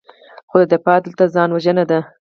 خو دفاع دلته ځان وژنه ده.